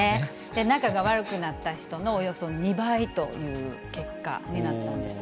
仲が悪くなった人のおよそ２倍という結果になったんです。